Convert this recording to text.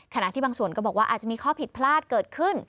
ขณะที่บางส่วนก็บอกว่าอาจจะมีข้อผิดพลาดเกิดขึ้น